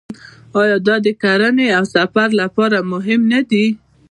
آیا دا د کرنې او سفر لپاره مهم نه دی؟